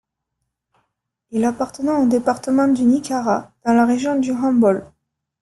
Il appartenant au département de Niakara, dans la Région du Hambol.